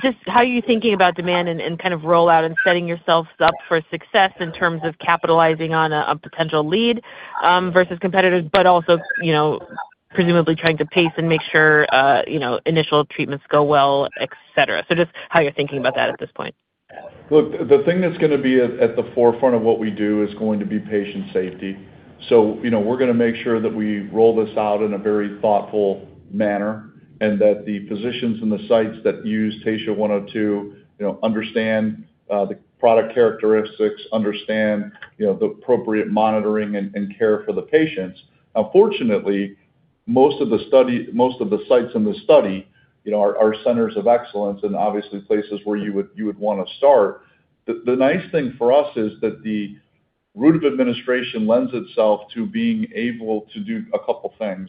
Just how are you thinking about demand and kind of rollout and setting yourselves up for success in terms of capitalizing on a potential lead versus competitors, but also presumably trying to pace and make sure initial treatments go well, et cetera. Just how you're thinking about that at this point. Look, the thing that's going to be at the forefront of what we do is going to be patient safety. We're going to make sure that we roll this out in a very thoughtful manner, and that the physicians and the sites that use TSHA-102 understand the product characteristics, understand the appropriate monitoring and care for the patients. Fortunately, most of the sites in this study are centers of excellence and obviously places where you would want to start. The nice thing for us is that the route of administration lends itself to being able to do a couple things.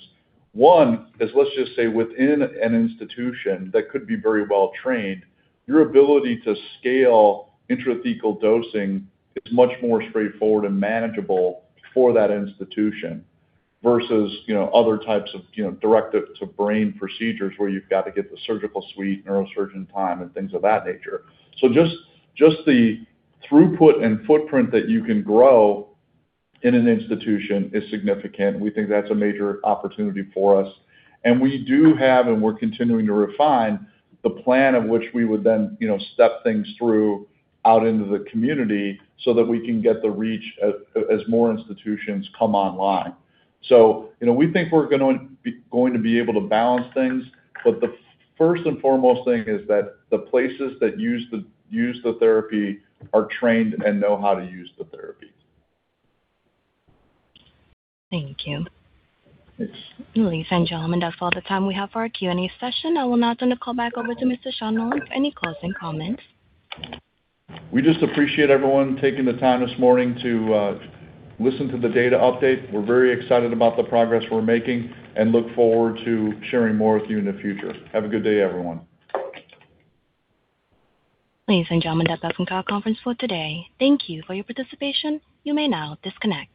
One is, let's just say, within an institution that could be very well trained, your ability to scale intrathecal dosing is much more straightforward and manageable for that institution versus other types of directive to brain procedures where you've got to get the surgical suite, neurosurgeon time, and things of that nature. Just the throughput and footprint that you can grow in an institution is significant. We think that's a major opportunity for us. We do have, and we're continuing to refine the plan in which we would then step things through out into the community so that we can get the reach as more institutions come online. We think we're going to be able to balance things. The first and foremost thing is that the places that use the therapy are trained and know how to use the therapy. Thank you. Ladies and gentlemen, that's all the time we have for our Q&A session. I will now turn the call back over to Mr. Sean Nolan for any closing comments. We just appreciate everyone taking the time this morning to listen to the data update. We're very excited about the progress we're making and look forward to sharing more with you in the future. Have a good day, everyone. Ladies and gentlemen, that does conclude conference call for today. Thank you for your participation. You may now disconnect.